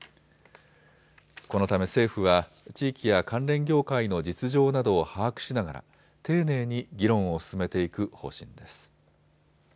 このため政府は地域や関連業界の実情などを把握しながら丁寧に議論を進めていく方針です。